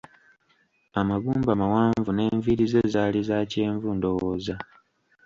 Amagumba mawanvu n'envirii ze zaali za kyenvu ndowooza.